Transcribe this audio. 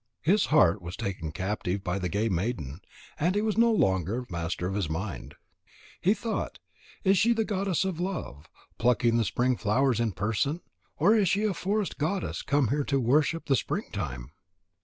His heart was taken captive by the gay maiden, and he was no longer master of his mind. He thought: "Is she the goddess of love, plucking the spring flowers in person? Or is she a forest goddess, come here to worship the spring time?"